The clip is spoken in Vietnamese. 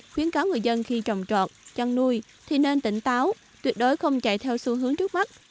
khuyến cáo người dân khi trồng trọt chăn nuôi thì nên tỉnh táo tuyệt đối không chạy theo xu hướng trước mắt